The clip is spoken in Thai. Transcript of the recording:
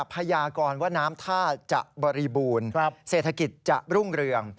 พญากรว่าน้ำท่าจะบริบูรณ์เศรษฐกิจจะรุ่งเรือง